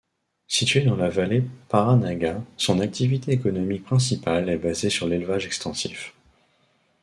Situé dans la vallée Pahranagat, son activité économique principale est basée sur l'élevage extensif.